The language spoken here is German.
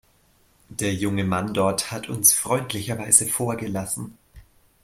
Der junge Mann dort hat uns freundlicherweise vorgelassen.